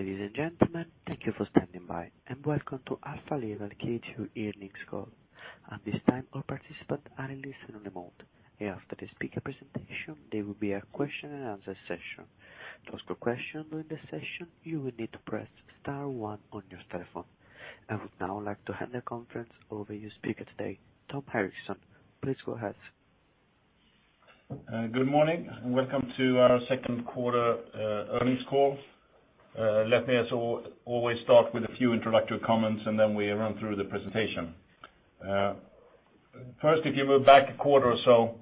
Ladies and gentlemen, thank you for standing by, and welcome to Alfa Laval Q2 earnings call. At this time, all participants are in listen-only mode. After the speaker presentation, there will be a question-and-answer session. To ask a question during the session, you will need to press star one on your telephone. I would now like to hand the conference over to your speaker today, Tom Erixon. Please go ahead. Good morning, and welcome to our second quarter earnings call. Let me as always start with a few introductory comments, and then we run through the presentation. First, if you were back a quarter or so,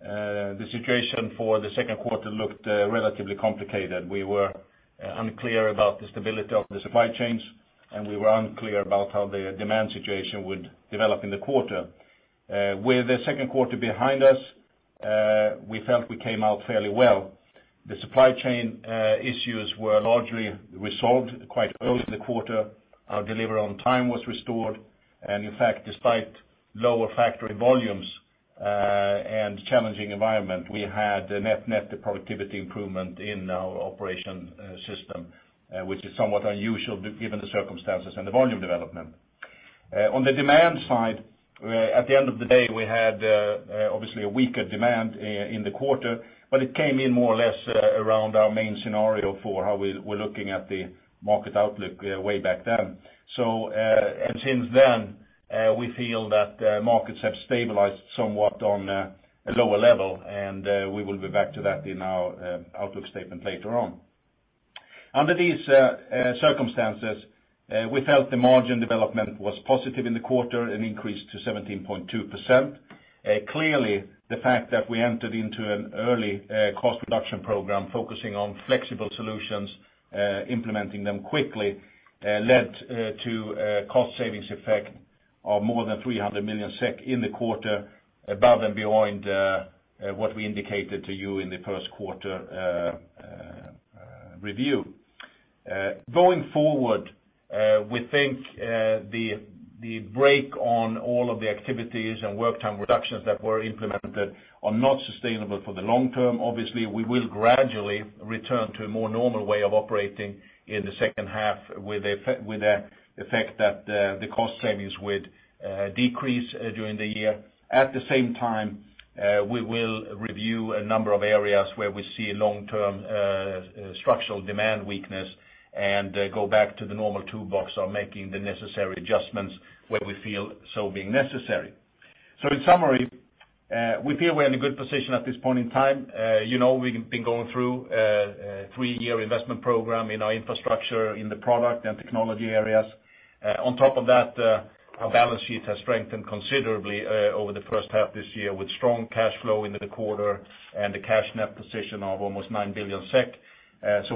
the situation for the second quarter looked relatively complicated. We were unclear about the stability of the supply chains, and we were unclear about how the demand situation would develop in the quarter. With the second quarter behind us, we felt we came out fairly well. The supply chain issues were largely resolved quite early in the quarter. Our delivery on time was restored, and in fact, despite lower factory volumes and challenging environment, we had a net productivity improvement in our operation system, which is somewhat unusual given the circumstances and the volume development. On the demand side, at the end of the day, we had obviously a weaker demand in the quarter, but it came in more or less around our main scenario for how we were looking at the market outlook way back then. Since then, we feel that markets have stabilized somewhat on a lower level, and we will be back to that in our outlook statement later on. Under these circumstances, we felt the margin development was positive in the quarter and increased to 17.2%. Clearly, the fact that we entered into an early cost reduction program focusing on flexible solutions, implementing them quickly, led to a cost savings effect of more than 300 million SEK in the quarter, above and beyond what we indicated to you in the first quarter review. Going forward, we think the break on all of the activities and work time reductions that were implemented are not sustainable for the long term. Obviously, we will gradually return to a more normal way of operating in the second half with the effect that the cost savings would decrease during the year. At the same time, we will review a number of areas where we see long-term structural demand weakness and go back to the normal toolbox of making the necessary adjustments where we feel so being necessary. In summary, we feel we're in a good position at this point in time. We've been going through a three-year investment program in our infrastructure in the product and technology areas. Our balance sheet has strengthened considerably over the first half this year with strong cash flow into the quarter and a cash net position of almost 9 billion SEK.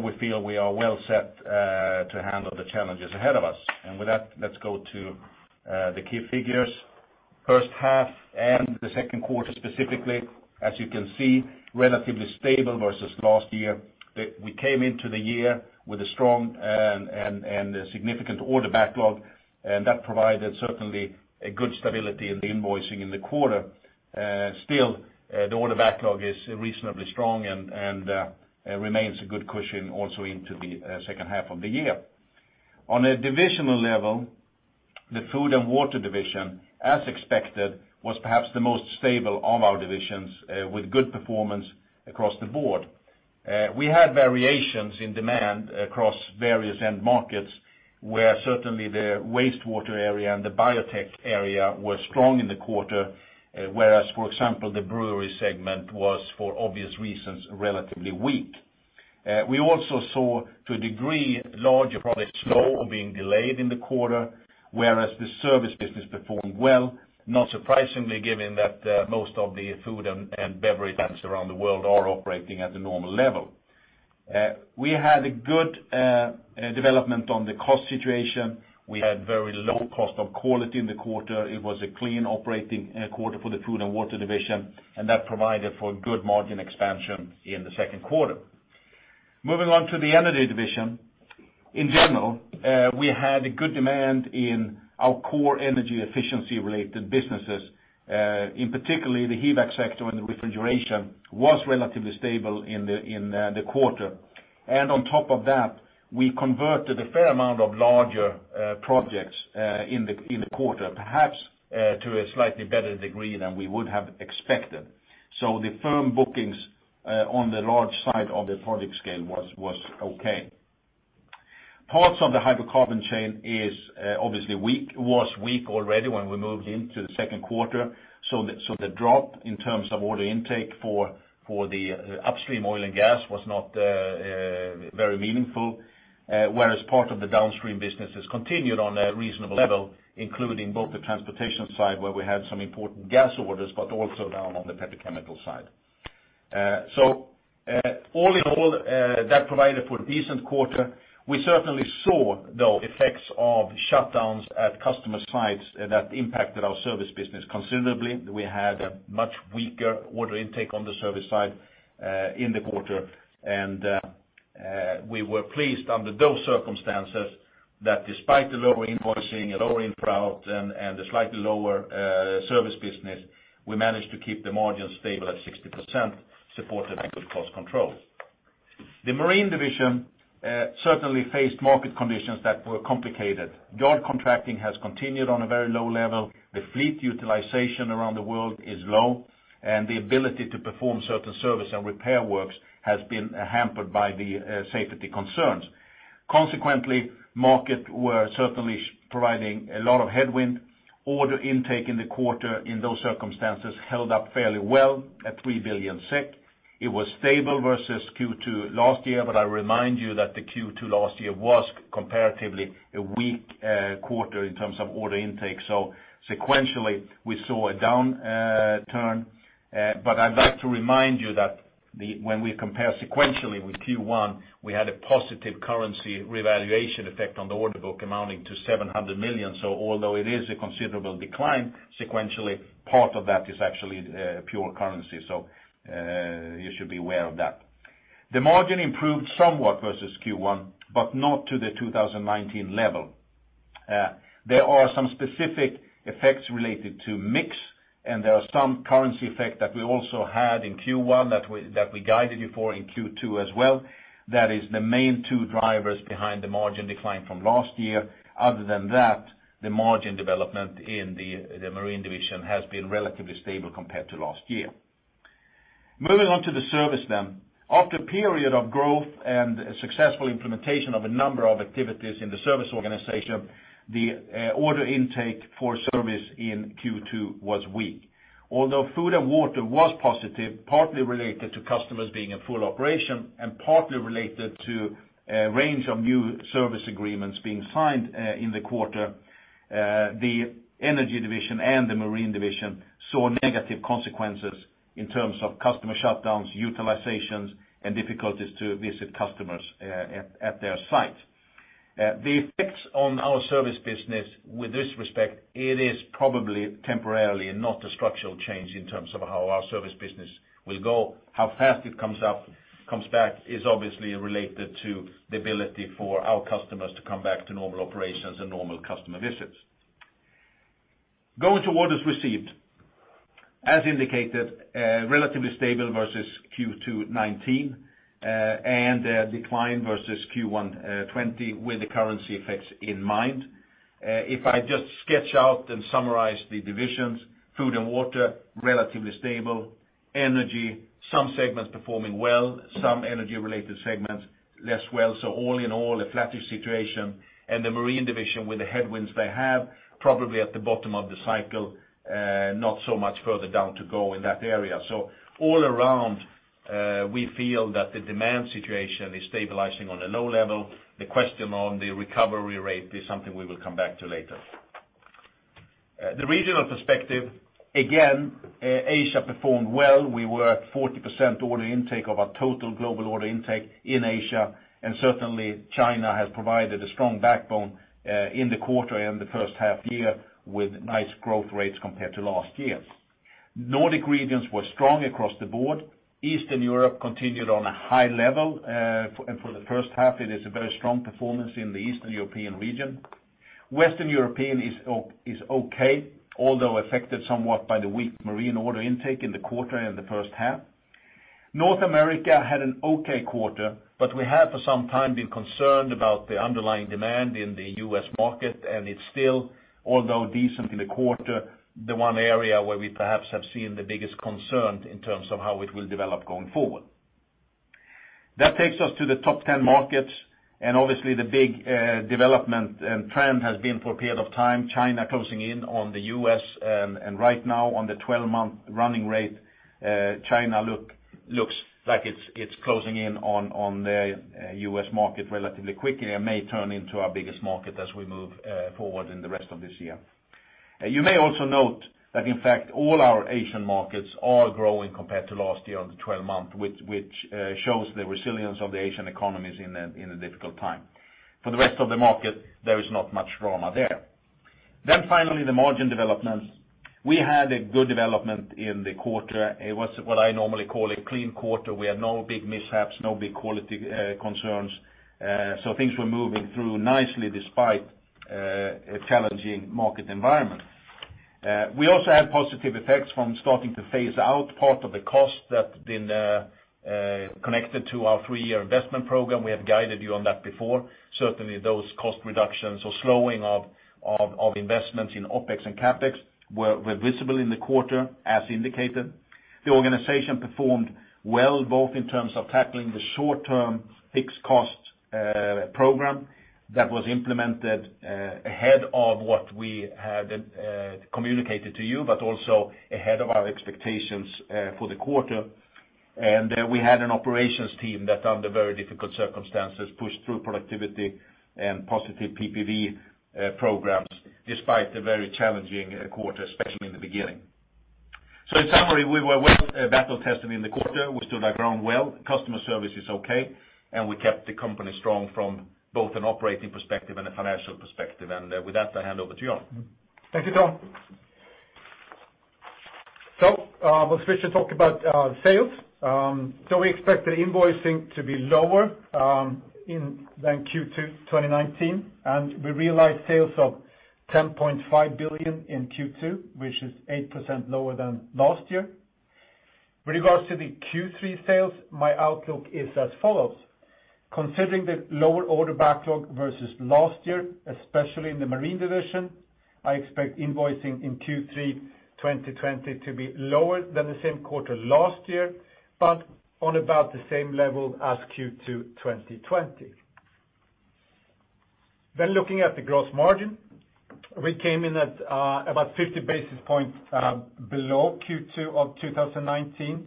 We feel we are well set to handle the challenges ahead of us. Let's go to the key figures. First half and the second quarter specifically. As you can see, relatively stable versus last year. We came into the year with a strong and a significant order backlog, and that provided certainly a good stability in the invoicing in the quarter. The order backlog is reasonably strong and remains a good cushion also into the second half of the year. On a divisional level, the Food & Water Division, as expected, was perhaps the most stable of our divisions, with good performance across the board. We had variations in demand across various end markets, where certainly the wastewater area and the biotech area were strong in the quarter, whereas, for example, the brewery segment was, for obvious reasons, relatively weak. We also saw, to a degree, larger projects slow or being delayed in the quarter, whereas the service business performed well, not surprisingly given that most of the food and beverage plants around the world are operating at the normal level. We had a good development on the cost situation. We had very low cost of quality in the quarter. It was a clean operating quarter for the Food & Water Division. That provided for good margin expansion in the second quarter. Moving on to the Energy Division. In general, we had a good demand in our core energy efficiency-related businesses. In particular, the HVAC sector and the refrigeration was relatively stable in the quarter. On top of that, we converted a fair amount of larger projects in the quarter, perhaps to a slightly better degree than we would have expected. The firm bookings on the large side of the project scale was okay. Parts of the hydrocarbon chain is obviously weak, was weak already when we moved into the second quarter, so the drop in terms of order intake for the upstream oil and gas was not very meaningful, whereas part of the downstream businesses continued on a reasonable level, including both the transportation side, where we had some important gas orders, but also down on the petrochemical side. All in all, that provided for a decent quarter. We certainly saw, though, effects of shutdowns at customer sites that impacted our service business considerably. We had a much weaker order intake on the service side in the quarter. We were pleased under those circumstances that despite the lower invoicing, lower input, and the slightly lower service business, we managed to keep the margin stable at 60%, supported by good cost control. The Marine Division certainly faced market conditions that were complicated. Yard contracting has continued on a very low level. The fleet utilization around the world is low. The ability to perform certain service and repair works has been hampered by the safety concerns. Consequently, market were certainly providing a lot of headwind. Order intake in the quarter, in those circumstances, held up fairly well at 3 billion SEK. It was stable versus Q2 last year. I remind you that the Q2 last year was comparatively a weak quarter in terms of order intake. Sequentially, we saw a downturn. I'd like to remind you that when we compare sequentially with Q1, we had a positive currency revaluation effect on the order book amounting to 700 million. Although it is a considerable decline sequentially, part of that is actually pure currency. You should be aware of that. The margin improved somewhat versus Q1, but not to the 2019 level. There are some specific effects related to mix, and there are some currency effect that we also had in Q1 that we guided you for in Q2 as well. That is the main two drivers behind the margin decline from last year. Other than that, the margin development in the Marine Division has been relatively stable compared to last year. Moving on to the service then. After a period of growth and successful implementation of a number of activities in the service organization, the order intake for service in Q2 was weak. Although Food & Water Division was positive, partly related to customers being at full operation, and partly related to a range of new service agreements being signed in the quarter, the Energy Division and the Marine Division saw negative consequences in terms of customer shutdowns, utilizations, and difficulties to visit customers at their site. The effects on our service business with this respect, it is probably temporarily not a structural change in terms of how our service business will go. How fast it comes back is obviously related to the ability for our customers to come back to normal operations and normal customer visits. Going to orders received. As indicated, relatively stable versus Q2 2019, and a decline versus Q1 2020 with the currency effects in mind. If I just sketch out and summarize the divisions, Food and Water, relatively stable. Energy, some segments performing well, some energy-related segments less well. All in all, a flattish situation. The Marine Division with the headwinds they have, probably at the bottom of the cycle, not so much further down to go in that area. All around, we feel that the demand situation is stabilizing on a low level. The question on the recovery rate is something we will come back to later. The regional perspective, again, Asia performed well. We were at 40% order intake of our total global order intake in Asia, and certainly, China has provided a strong backbone in the quarter and the first half year with nice growth rates compared to last year. Nordic regions were strong across the board. Eastern Europe continued on a high level. For the first half, it is a very strong performance in the Eastern European region. Western European is okay, although affected somewhat by the weak Marine order intake in the quarter and the first half. North America had an okay quarter, but we have for some time been concerned about the underlying demand in the U.S. market, and it's still, although decent in the quarter, the one area where we perhaps have seen the biggest concern in terms of how it will develop going forward. That takes us to the top 10 markets, and obviously the big development and trend has been for a period of time, China closing in on the U.S., and right now on the 12-month running rate, China looks like it's closing in on the U.S. market relatively quickly, and may turn into our biggest market as we move forward in the rest of this year. You may also note that in fact, all our Asian markets are growing compared to last year on the 12 month, which shows the resilience of the Asian economies in a difficult time. For the rest of the market, there is not much drama there. Finally, the margin developments. We had a good development in the quarter. It was what I normally call a clean quarter. We had no big mishaps, no big quality concerns. Things were moving through nicely despite a challenging market environment. We also had positive effects from starting to phase out part of the cost that's been connected to our three-year investment program. We have guided you on that before. Certainly, those cost reductions or slowing of investments in OpEx and CapEx were visible in the quarter as indicated. The organization performed well, both in terms of tackling the short-term fixed cost program that was implemented ahead of what we had communicated to you, but also ahead of our expectations for the quarter. We had an operations team that under very difficult circumstances, pushed through productivity and positive PPV programs despite the very challenging quarter, especially in the beginning. In summary, we were well battle tested in the quarter. We stood our ground well. Customer service is okay, and we kept the company strong from both an operating perspective and a financial perspective. With that, I hand over to Jan. Thank you, Tom. I will switch and talk about sales. We expected invoicing to be lower than Q2 2019, and we realized sales of 10.5 billion in Q2, which is 8% lower than last year. With regards to the Q3 sales, my outlook is as follows. Considering the lower order backlog versus last year, especially in the Marine Division, I expect invoicing in Q3 2020 to be lower than the same quarter last year, but on about the same level as Q2 2020. Looking at the gross margin, we came in at about 50 basis points below Q2 of 2019.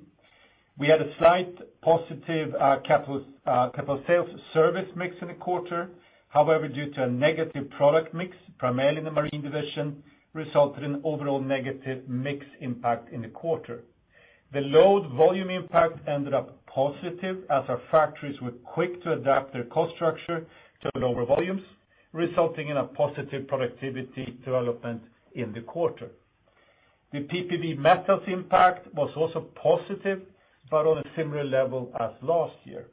We had a slight positive capital sales service mix in the quarter. However, due to a negative product mix, primarily in the Marine Division, resulted in overall negative mix impact in the quarter. The load volume impact ended up positive as our factories were quick to adapt their cost structure to lower volumes, resulting in a positive productivity development in the quarter. The PPV metals impact was also positive, but on a similar level as last year.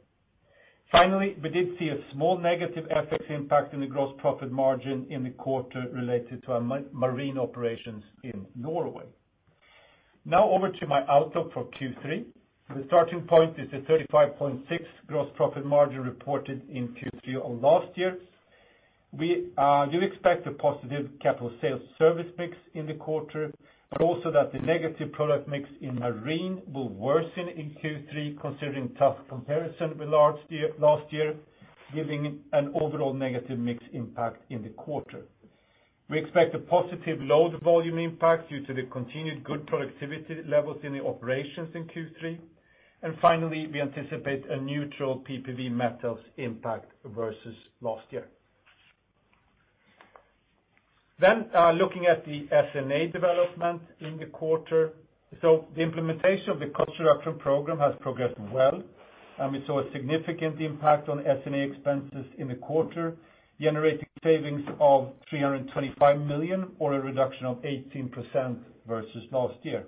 We did see a small negative FX impact in the gross profit margin in the quarter related to our Marine operations in Norway. Over to my outlook for Q3. The starting point is the 35.6 gross profit margin reported in Q3 of last year. We do expect a positive capital sales service mix in the quarter, but also that the negative product mix in Marine will worsen in Q3 considering tough comparison with last year, giving an overall negative mix impact in the quarter. Finally, we expect a positive load volume impact due to the continued good productivity levels in the operations in Q3. Finally, we anticipate a neutral PPV metals impact versus last year. Looking at the SG&A development in the quarter. The implementation of the cost reduction program has progressed well, and we saw a significant impact on SG&A expenses in the quarter, generating savings of 325 million or a reduction of 18% versus last year.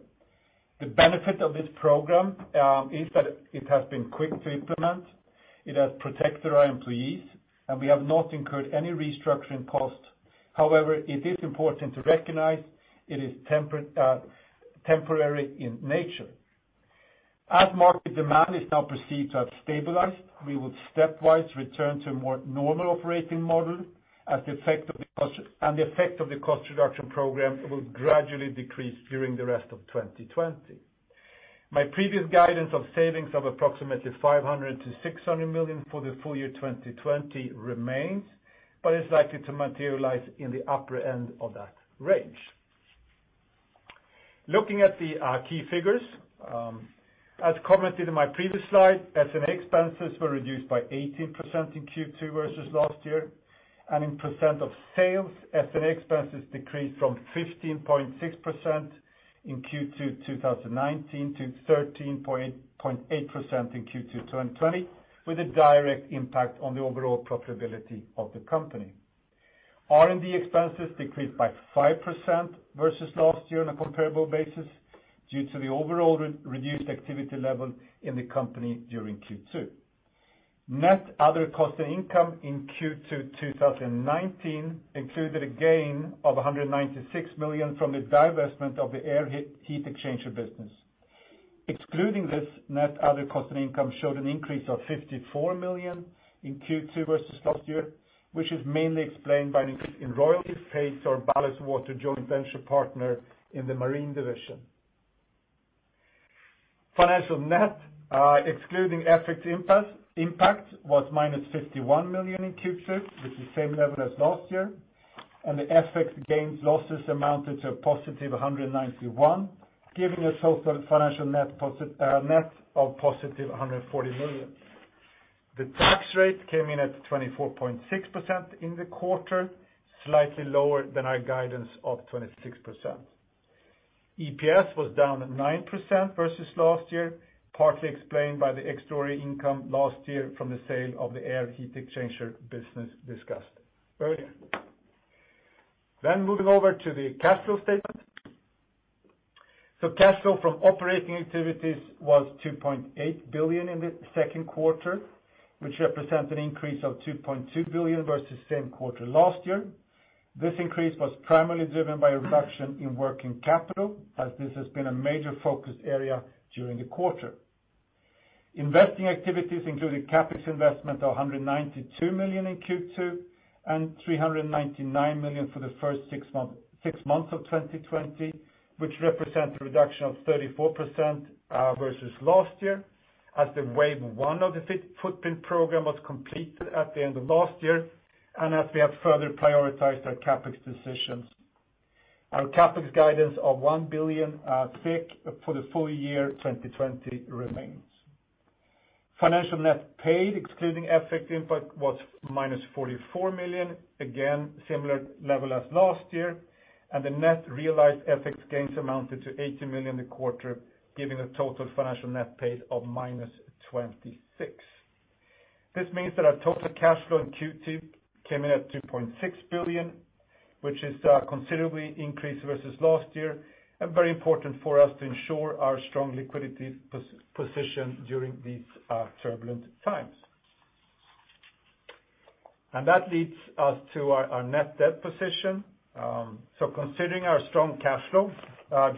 The benefit of this program is that it has been quick to implement, it has protected our employees, and we have not incurred any restructuring costs. It is important to recognize it is temporary in nature. Market demand is now perceived to have stabilized, we will stepwise return to a more normal operating model as the effect of the cost reduction program will gradually decrease during the rest of 2020. My previous guidance of savings of approximately 500 million-600 million for the full year 2020 remains, but it's likely to materialize in the upper end of that range. Looking at the key figures, as commented in my previous slide, SG&A expenses were reduced by 18% in Q2 versus last year, and in % of sales, SG&A expenses decreased from 15.6% in Q2 2019 to 13.8% in Q2 2020, with a direct impact on the overall profitability of the company. R&D expenses decreased by 5% versus last year on a comparable basis due to the overall reduced activity level in the company during Q2. Net other cost and income in Q2 2019 included a gain of 196 million from the divestment of the air heat exchanger business. Excluding this, net other cost and income showed an increase of 54 million in Q2 versus last year, which is mainly explained by an increase in royalties paid to our ballast water joint venture partner in the Marine Division. Financial net, excluding FX impact, was minus 51 million in Q2, which is same level as last year. The FX gains losses amounted to a positive 191 million, giving a total financial net of positive 140 million. The tax rate came in at 24.6% in the quarter, slightly lower than our guidance of 26%. EPS was down at 9% versus last year, partly explained by the extraordinary income last year from the sale of the air heat exchanger business discussed earlier. Moving over to the cash flow statement. Cash flow from operating activities was 2.8 billion in the second quarter, which represents an increase of 2.2 billion versus same quarter last year. This increase was primarily driven by a reduction in working capital, as this has been a major focus area during the quarter. Investing activities included CapEx investment of 192 million in Q2 and 399 million for the first six months of 2020, which represents a reduction of 34% versus last year as the wave 1 of the footprint program was completed at the end of last year, and as we have further prioritized our CapEx decisions. Our CapEx guidance of 1 billion for the full year 2020 remains. Financial net paid, excluding FX impact, was minus 44 million, again, similar level as last year, and the net realized FX gains amounted to 80 million in the quarter, giving a total financial net paid of minus 26. This means that our total cash flow in Q2 came in at 2.6 billion, which is considerably increased versus last year and very important for us to ensure our strong liquidity position during these turbulent times. That leads us to our net debt position. Considering our strong cash flow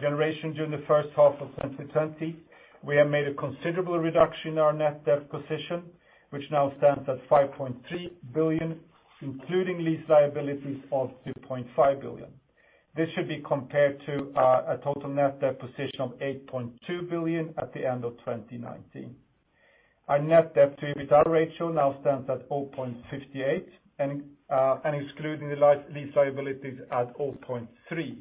generation during the first half of 2020, we have made a considerable reduction in our net debt position, which now stands at 5.3 billion, including lease liabilities of 2.5 billion. This should be compared to a total net debt position of 8.2 billion at the end of 2019. Our net debt to EBITDA ratio now stands at 0.58, and excluding the lease liabilities at 0.3.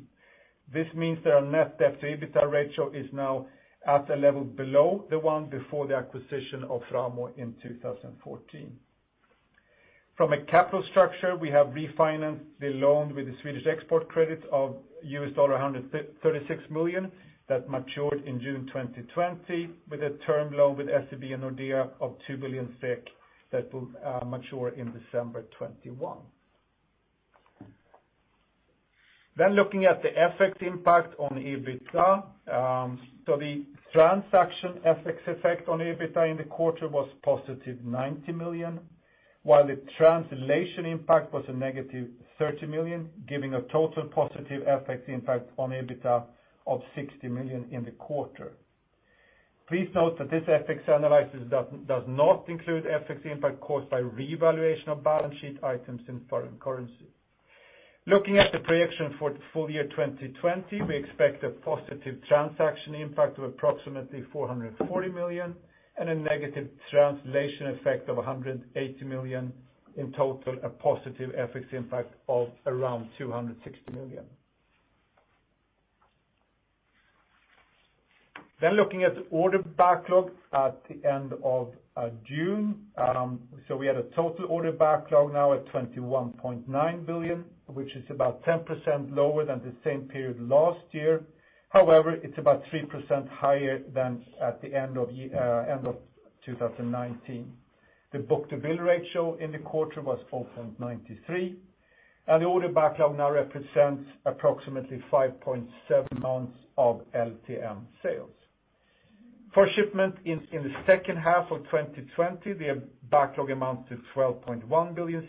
This means that our net debt to EBITDA ratio is now at a level below the one before the acquisition of Framo in 2014. From a capital structure, we have refinanced the loan with the Swedish Export Credit of US$136 million that matured in June 2020 with a term loan with SEB and Nordea of 2 billion that will mature in December 2021. Looking at the FX impact on EBITDA. The transaction FX effect on EBITDA in the quarter was positive 90 million, while the translation impact was a negative 30 million, giving a total positive FX impact on EBITDA of 60 million in the quarter. Please note that this FX analysis does not include FX impact caused by revaluation of balance sheet items in foreign currency. Looking at the projection for full year 2020, we expect a positive transaction impact of approximately 440 million and a negative translation effect of 180 million. In total, a positive FX impact of around 260 million. Looking at order backlog at the end of June. We had a total order backlog now at 21.9 billion, which is about 10% lower than the same period last year. However, it's about 3% higher than at the end of 2019. The book-to-bill ratio in the quarter was 4.93, and the order backlog now represents approximately 5.7 months of LTM sales. For shipment in the second half of 2020, the backlog amounts to 12.1 billion,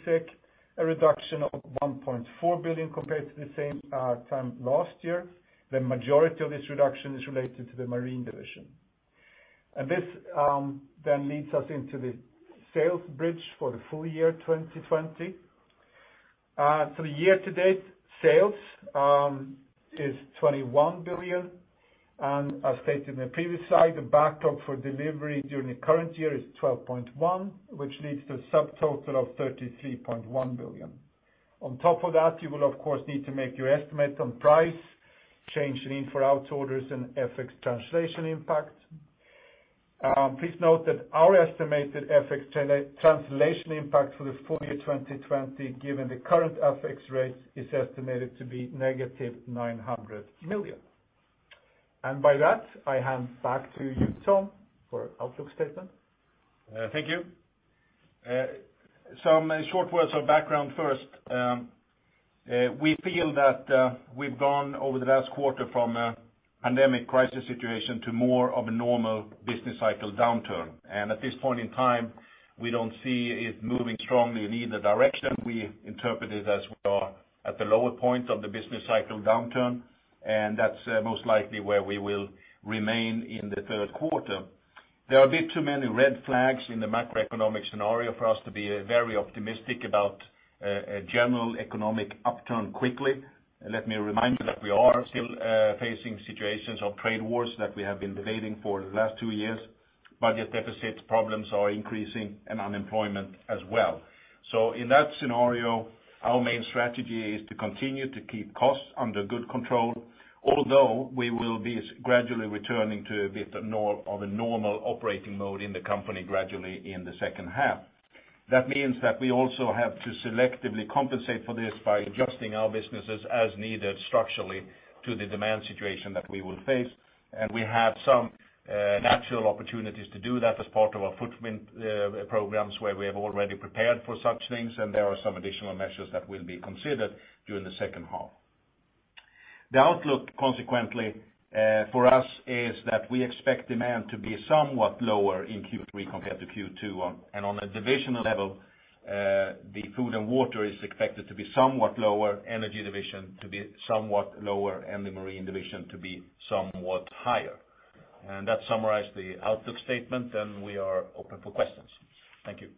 a reduction of 1.4 billion compared to the same time last year. The majority of this reduction is related to the Marine Division. This then leads us into the sales bridge for the full year 2020. The year-to-date sales is 21 billion, and as stated in the previous slide, the backlog for delivery during the current year is 12.1 billion, which leads to a subtotal of 33.1 billion. On top of that, you will of course need to make your estimates on price change in-for-out orders and FX translation impact. Please note that our estimated FX translation impact for the full year 2020, given the current FX rates, is estimated to be negative 900 million. By that, I hand back to you, Tom, for outlook statement. Thank you. Some short words of background first. We feel that we've gone over the last quarter from a pandemic crisis situation to more of a normal business cycle downturn. At this point in time, we don't see it moving strongly in either direction. We interpret it as we are at the lower point of the business cycle downturn, and that's most likely where we will remain in the third quarter. There are a bit too many red flags in the macroeconomic scenario for us to be very optimistic about a general economic upturn quickly. Let me remind you that we are still facing situations of trade wars that we have been debating for the last two years. Budget deficit problems are increasing and unemployment as well. In that scenario, our main strategy is to continue to keep costs under good control, although we will be gradually returning to a bit of a normal operating mode in the company gradually in the second half. That means that we also have to selectively compensate for this by adjusting our businesses as needed structurally to the demand situation that we will face. We have some natural opportunities to do that as part of our footprint programs where we have already prepared for such things, and there are some additional measures that will be considered during the second half. The outlook consequently for us is that we expect demand to be somewhat lower in Q3 compared to Q2. On a divisional level, the Food & Water Division is expected to be somewhat lower, Energy Division to be somewhat lower, and the Marine Division to be somewhat higher. That summarized the outlook statement, and we are open for questions. Thank you.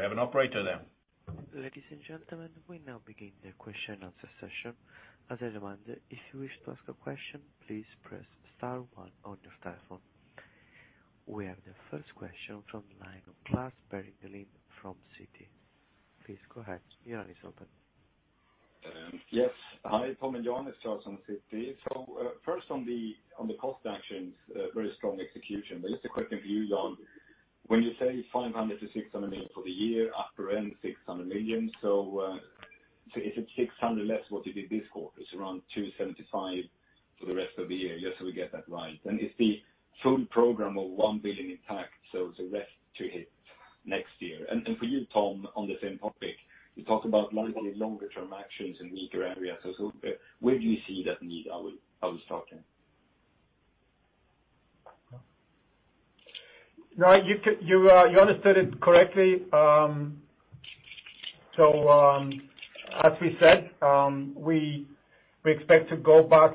Do we have an operator there? Ladies and gentlemen, we now begin the question and answer session. As a reminder, if you wish to ask a question, please press star one on your telephone. We have the first question from the line of Klas Bergelind from Citi. Please go ahead. Your line is open. Yes. Hi, Tom and Jan. It's Klas from Citi. First on the cost actions, very strong execution. Just a question for you, Jan, when you say 500 million-600 million for the year, upper end 600 million. If it's 600 less what you did this quarter, it's around 275 for the rest of the year, just so we get that right. Is the full program of 1 billion intact, so it's a risk to hit next year? For you, Tom, on the same topic, you talked about likely longer term actions in weaker areas. So where do you see that need I was talking? You understood it correctly. As we said, we expect to gradually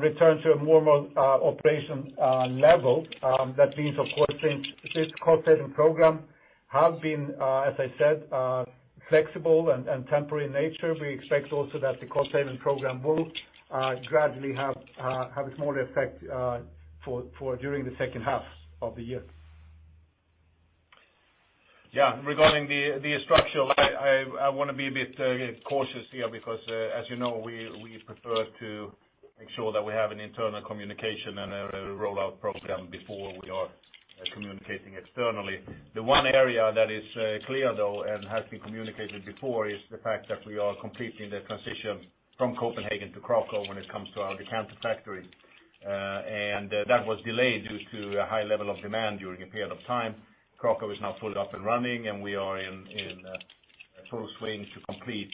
return to a more operation level. That means, of course, since this cost-saving program have been, as I said, flexible and temporary in nature, we expect also that the cost-saving program will gradually have a smaller effect during the second half of the year. Yeah. Regarding the structural, I want to be a bit cautious here because, as you know, we prefer to make sure that we have an internal communication and a rollout program before we are communicating externally. The one area that is clear though, and has been communicated before, is the fact that we are completing the transition from Copenhagen to Kraków when it comes to our decanter factory. That was delayed due to a high level of demand during a period of time. Kraków is now fully up and running, and we are in full swing to complete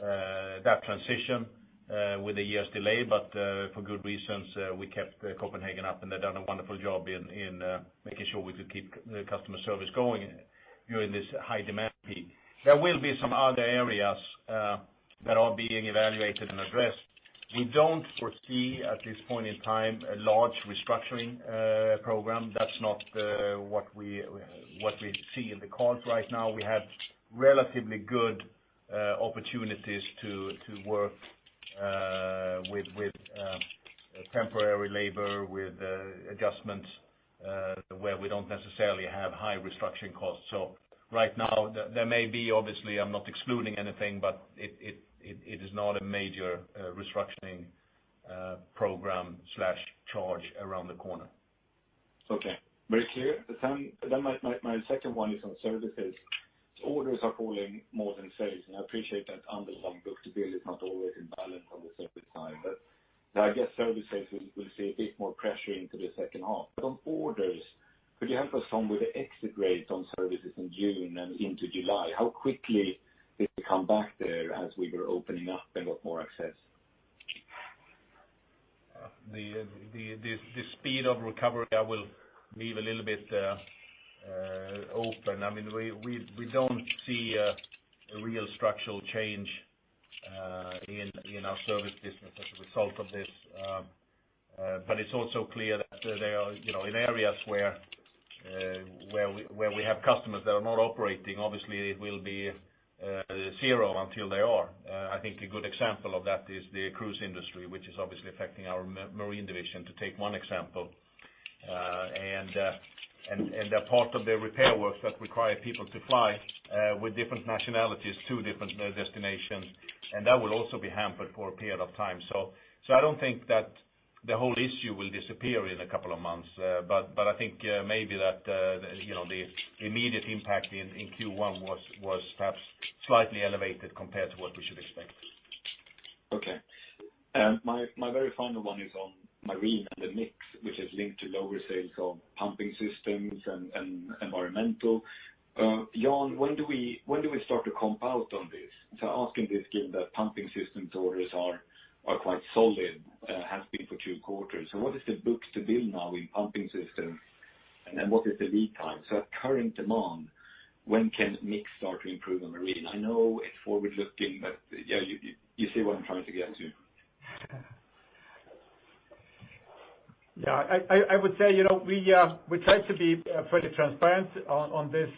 that transition with a year's delay. For good reasons, we kept Copenhagen up, and they've done a wonderful job in making sure we could keep the customer service going during this high demand peak. There will be some other areas that are being evaluated and addressed. We don't foresee, at this point in time, a large restructuring program. That's not what we see in the cards right now. We have relatively good opportunities to work with temporary labor, with adjustments, where we don't necessarily have high restructuring costs. Right now, there may be, obviously, I'm not excluding anything, but it is not a major restructuring program/charge around the corner. Okay. Very clear. My second one is on services. Orders are falling more than sales. I appreciate that underlying book-to-bill is not always in balance on the service side. I guess services will see a bit more pressure into the second half. On orders, could you help us some with the exit rates on services in June and into July? How quickly did it come back there as we were opening up and got more access? The speed of recovery, I will leave a little bit open. We don't see a real structural change in our service business as a result of this. It's also clear that there are in areas where we have customers that are not operating, obviously it will be zero until they are. I think a good example of that is the cruise industry, which is obviously affecting our Marine Division, to take one example. A part of their repair works that require people to fly with different nationalities to different destinations, and that will also be hampered for a period of time. I don't think that the whole issue will disappear in a couple of months. I think maybe that the immediate impact in Q1 was perhaps slightly elevated compared to what we should expect. Okay. My very final one is on Marine and the mix, which is linked to lower sales on pumping systems and environmental. Jan, when do we start to comp out on this? Asking this given that pumping systems orders are quite solid, have been for two quarters. What is the book-to-bill now in pumping systems, and then what is the lead time? At current demand, when can mix start to improve on Marine? I know it's forward-looking, but yeah, you see what I'm trying to get to. Yeah. I would say, we tried to be pretty transparent on this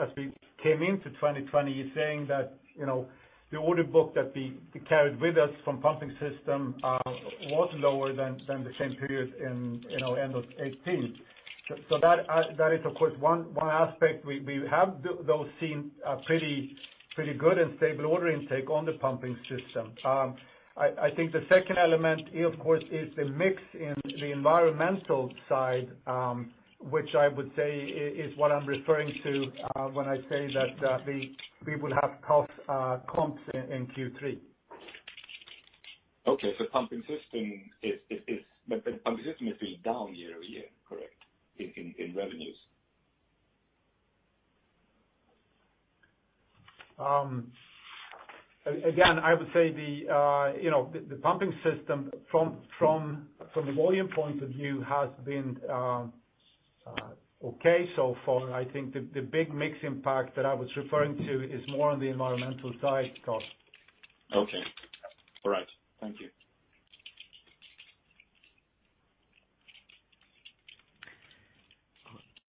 as we came into 2020 saying that the order book that we carried with us from pumping system was lower than the same period in end of 2018. That is, of course, one aspect. We have, though, seen a pretty good and stable order intake on the pumping system. I think the second element here, of course, is the mix in the environmental side, which I would say is what I'm referring to when I say that we will have comps in Q3. Okay. Pumping system is still down year-over-year, correct, in revenues? I would say the pumping system, from the volume point of view, has been okay so far. I think the big mix impact that I was referring to is more on the environmental side, Klas. Okay. All right. Thank you.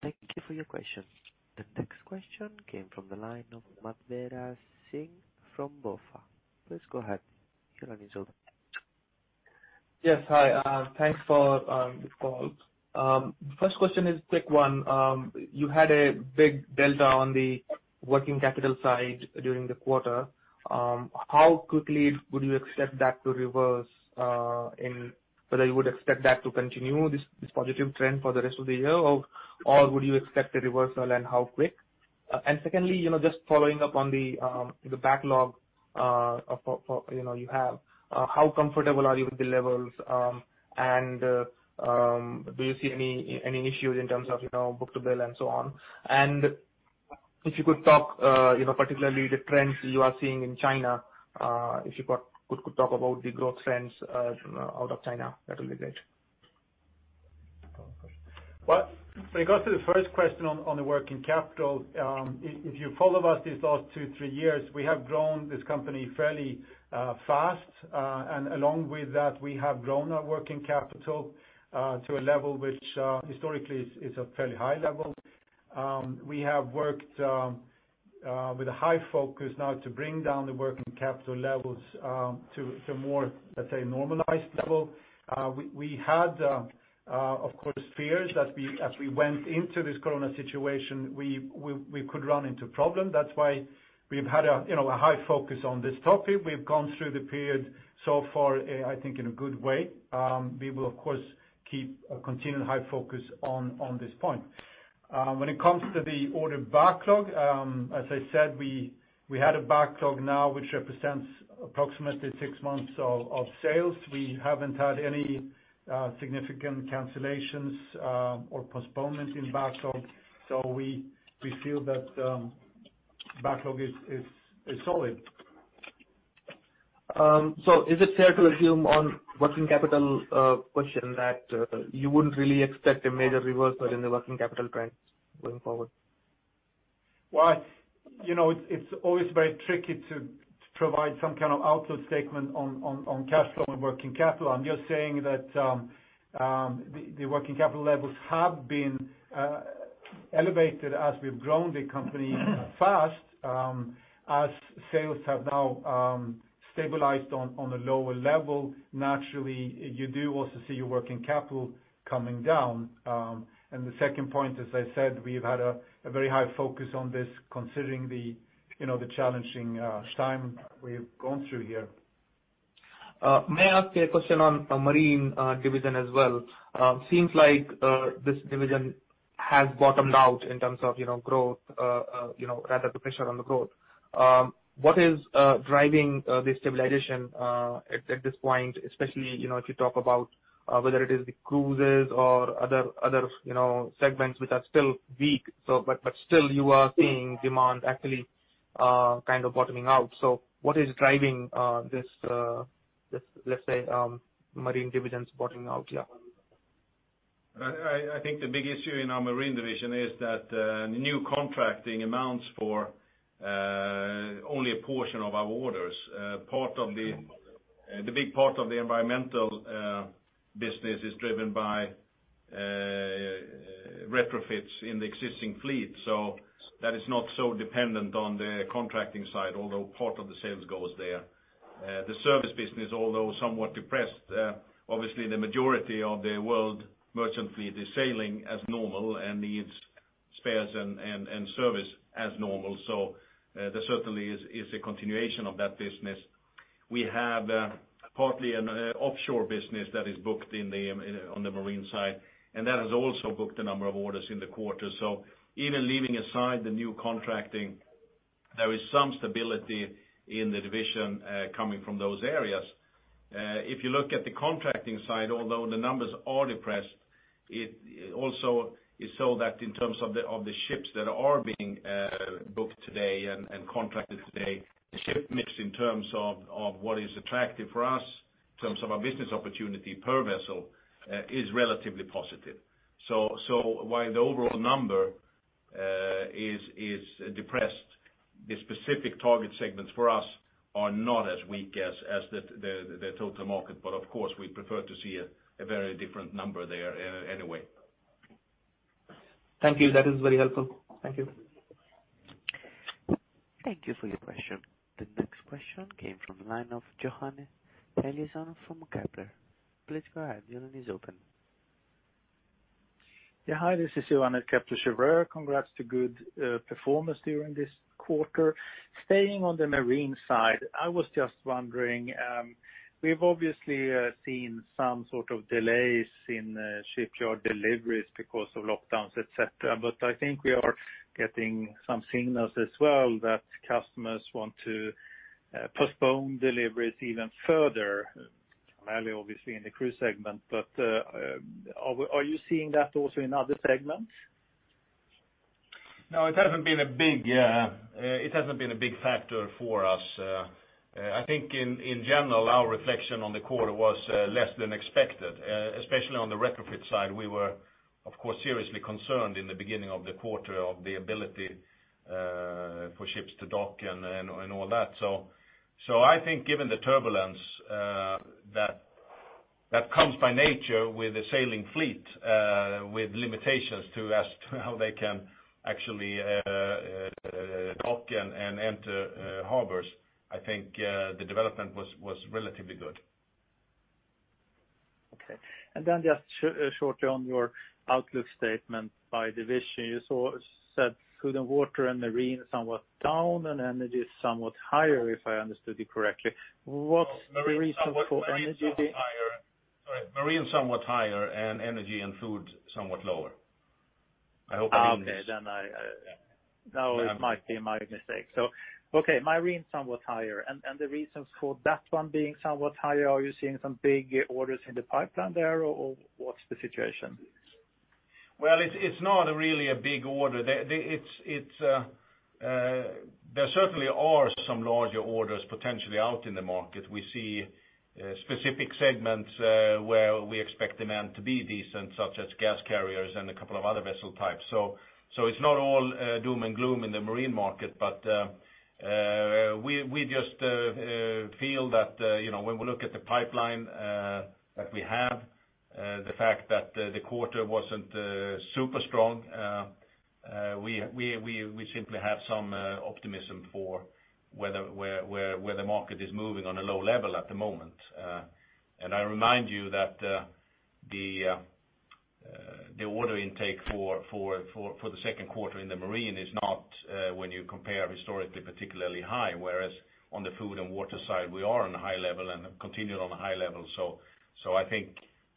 Thank you for your question. The next question came from the line of Madhusudhan Singh from BofA. Please go ahead. Your line is open. Yes. Hi. Thanks for this call. First question is a quick one. You had a big delta on the working capital side during the quarter. How quickly would you expect that to reverse and whether you would expect that to continue this positive trend for the rest of the year? Or would you expect a reversal and how quick? Secondly, just following up on the backlog you have. How comfortable are you with the levels? Do you see any issues in terms of book-to-bill and so on? If you could talk particularly the trends you are seeing in China, if you could talk about the growth trends out of China, that will be great. When it comes to the first question on the working capital, if you follow us these last two, three years, we have grown this company fairly fast. Along with that, we have grown our working capital to a level which historically is a fairly high level. We have worked with a high focus now to bring down the working capital levels to more, let's say, normalized level. We had, of course, fears as we went into this corona situation, we could run into problem. That's why we've had a high focus on this topic. We've gone through the period so far, I think in a good way. We will, of course, keep a continuing high focus on this point. When it comes to the order backlog, as I said, we had a backlog now which represents approximately six months of sales. We haven't had any significant cancellations or postponement in backlog. We feel that backlog is solid. Is it fair to assume on working capital question that you wouldn't really expect a major reversal in the working capital trends going forward? Well, it's always very tricky to provide some kind of outlook statement on cash flow and working capital. I'm just saying that the working capital levels have been elevated as we've grown the company fast. As sales have now stabilized on a lower level, naturally, you do also see your working capital coming down. The second point, as I said, we've had a very high focus on this considering the challenging time we've gone through here. May I ask you a question on Marine Division as well? Seems like this Division has bottomed out in terms of growth, rather the pressure on the growth. What is driving this stabilization at this point, especially, if you talk about whether it is the cruises or other segments which are still weak. Still you are seeing demand actually kind of bottoming out. What is driving this, let's say, Marine Divisions bottoming out? Yeah. I think the big issue in our Marine Division is that new contracting amounts for only a portion of our orders. The big part of the environmental business is driven by retrofits in the existing fleet. That is not so dependent on the contracting side, although part of the sales goes there. The service business, although somewhat depressed, obviously the majority of the world merchant fleet is sailing as normal and needs spares and service as normal. There certainly is a continuation of that business. We have partly an offshore business that is booked on the Marine Division, and that has also booked a number of orders in the quarter. Even leaving aside the new contracting, there is some stability in the division coming from those areas. If you look at the contracting side, although the numbers are depressed, it also is so that in terms of the ships that are being booked today and contracted today, the ship mix in terms of what is attractive for us in terms of our business opportunity per vessel is relatively positive. While the overall number is depressed, the specific target segments for us are not as weak as the total market. Of course, we prefer to see a very different number there anyway. Thank you. That is very helpful. Thank you. Thank you for your question. The next question came from the line of Johan Eliason from Kepler. Please go ahead. Your line is open. Hi, this is Johan at Kepler Cheuvreux. Congrats to good performance during this quarter. Staying on the Marine side, I was just wondering, we've obviously seen some sort of delays in shipyard deliveries because of lockdowns, et cetera. I think we are getting some signals as well that customers want to postpone deliveries even further, primarily obviously in the cruise segment. Are you seeing that also in other segments? It hasn't been a big factor for us. I think in general, our reflection on the quarter was less than expected, especially on the retrofit side. We were, of course, seriously concerned in the beginning of the quarter of the ability for ships to dock and all that. I think given the turbulence that comes by nature with a sailing fleet with limitations as to how they can actually dock and enter harbors, I think the development was relatively good. Okay. Just shortly on your outlook statement by division, you said Food & Water and Marine is somewhat down and Energy is somewhat higher, if I understood you correctly. What's the reason for Energy being-? Sorry, Marine somewhat higher and Energy and Food somewhat lower. Okay. It might be my mistake. Okay, Marine somewhat higher. The reasons for that one being somewhat higher, are you seeing some big orders in the pipeline there, or what's the situation? Well, it's not really a big order. There certainly are some larger orders potentially out in the market. We see specific segments where we expect demand to be decent, such as gas carriers and a couple of other vessel types. It's not all doom and gloom in the Marine market, but we just feel that when we look at the pipeline that we have, the fact that the quarter wasn't super strong, we simply have some optimism for where the market is moving on a low level at the moment. I remind you that the order intake for the second quarter in the Marine is not, when you compare historically, particularly high, whereas on the Food and Water side, we are on a high level and continue on a high level. I think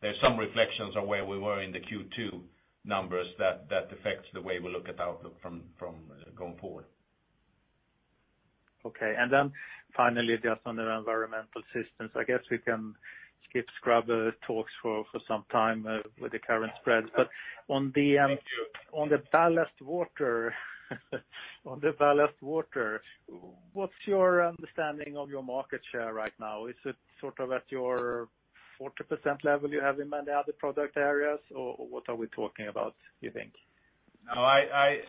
there's some reflections on where we were in the Q2 numbers that affects the way we look at the outlook going forward. Okay. Finally, just on the environmental systems, I guess we can skip scrubber talks for some time with the current spreads. On the ballast water, what's your understanding of your market share right now? Is it sort of at your 40% level you have in many other product areas, or what are we talking about, do you think? I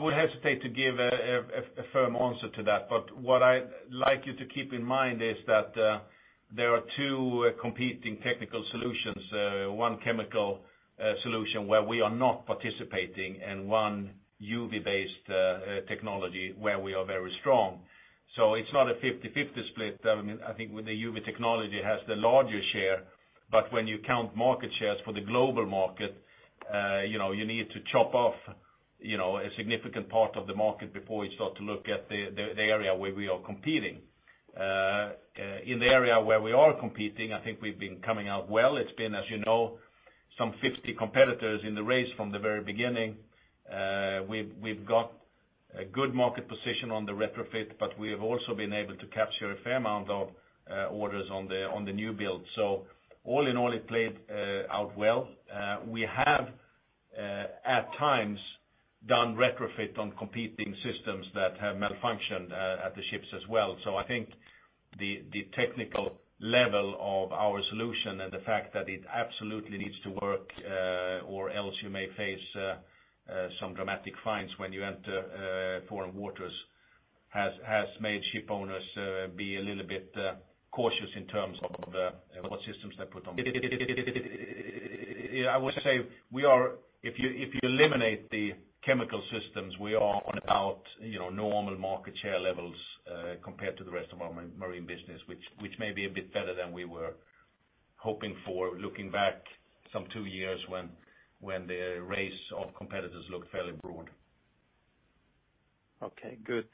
would hesitate to give a firm answer to that. What I'd like you to keep in mind is that there are two competing technical solutions, one chemical solution where we are not participating, and one UV-based technology where we are very strong. It's not a 50/50 split. I think the UV technology has the larger share, but when you count market shares for the global market, you need to chop off a significant part of the market before you start to look at the area where we are competing. In the area where we are competing, I think we've been coming out well. It's been, as you know, some 50 competitors in the race from the very beginning. We've got a good market position on the retrofit, but we have also been able to capture a fair amount of orders on the new build. All in all, it played out well. We have, at times, done retrofit on competing systems that have malfunctioned at the ships as well. I think the technical level of our solution and the fact that it absolutely needs to work, or else you may face some dramatic fines when you enter foreign waters, has made ship owners be a little bit cautious in terms of what systems they put on. I would say if you eliminate the chemical systems, we are on about normal market share levels compared to the rest of our Marine Division, which may be a bit better than we were hoping for, looking back some two years when the race of competitors looked fairly broad. Okay, good.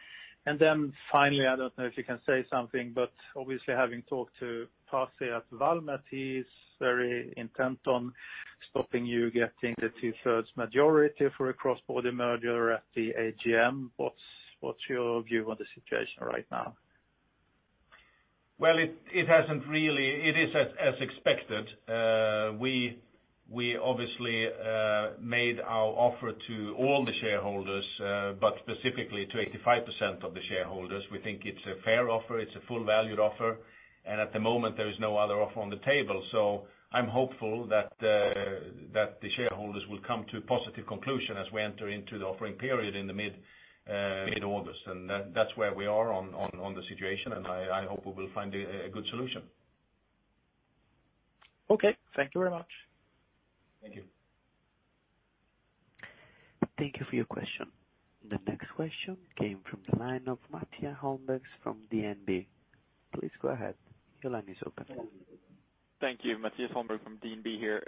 Finally, I don't know if you can say something, but obviously having talked to Pasi at Valmet, he's very intent on stopping you getting the two-thirds majority for a cross-border merger at the AGM. What's your view on the situation right now? Well, it is as expected. We obviously made our offer to all the shareholders, but specifically to 85% of the shareholders. We think it's a fair offer. It's a full valued offer. At the moment, there is no other offer on the table. I'm hopeful that the shareholders will come to a positive conclusion as we enter into the offering period in the mid-August. That's where we are on the situation, and I hope we will find a good solution. Okay. Thank you very much. Thank you. Thank you for your question. The next question came from the line of Mattias Holmberg from DNB. Please go ahead. Your line is open. Thank you. Mattias Holmberg from DNB here.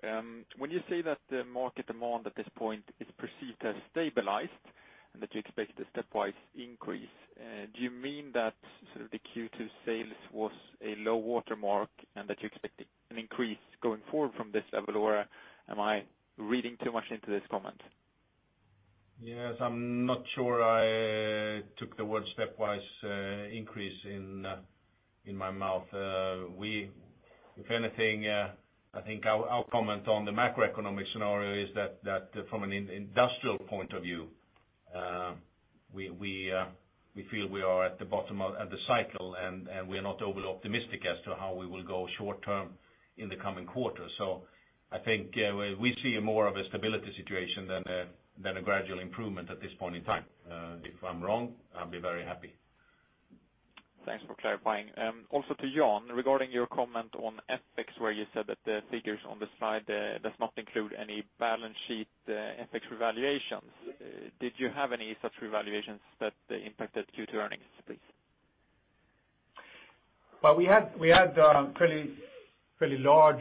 When you say that the market demand at this point is perceived as stabilized and that you expect a stepwise increase, do you mean that sort of the Q2 sales was a low water mark and that you expect an increase going forward from this level, or am I reading too much into this comment? Yes, I'm not sure I took the word stepwise increase in my mouth. If anything, I think our comment on the macroeconomic scenario is that from an industrial point of view, we feel we are at the bottom of the cycle, and we are not overly optimistic as to how we will go short term in the coming quarter. I think we see more of a stability situation than a gradual improvement at this point in time. If I'm wrong, I'll be very happy. Thanks for clarifying. To Jan, regarding your comment on FX, where you said that the figures on the slide does not include any balance sheet FX revaluations. Did you have any such revaluations that impacted Q2 earnings, please? We had fairly large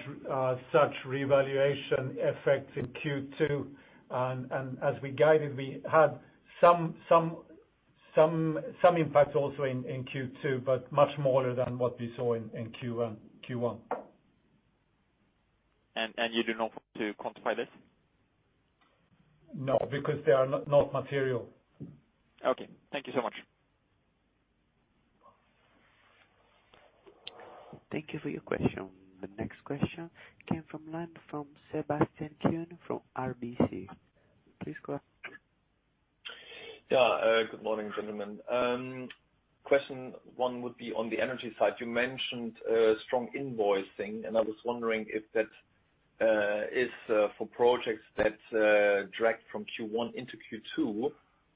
such revaluation effects in Q2, and as we guided, we had some impact also in Q2, but much smaller than what we saw in Q1. You do know to quantify this? No, because they are not material. Okay. Thank you so much. Thank you for your question. The next question came from line from Sebastian Kuenne from RBC. Please go ahead. Good morning, gentlemen. Question one would be on the Energy Division side. You mentioned strong invoicing, I was wondering if that is for projects that dragged from Q1 into Q2,